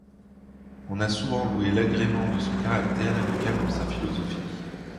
On a souvent loué l'agrément de son caractère et le calme de sa philosophie.